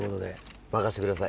任せてください。